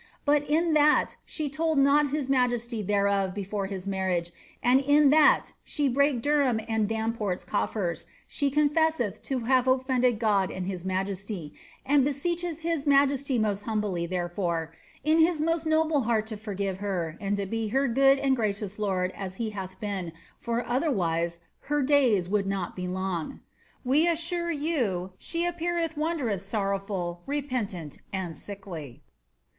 But in that she told not his majesty thereof before his marriigBi and in that she brake Derham and Damport's cofiers, she coolesseth lo have offended God and his majesty, and beseecheth his highoess moit humbly, therefore, ^ in his most noble heart to forgive her, and to bo her good and gracious lord as he hath been, for otherwise her diyi would not be long.' We assure you she appeareth wondroos somnr fnl, repentant, and sickly."